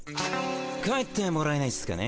帰ってもらえないっすかね。